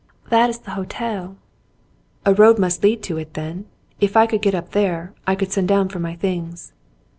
"That is the hotel.'* "A road must lead to it, then. If I could get up there, I could send down for my things."